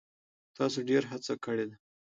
تاسو ډیره هڅه کړې ده.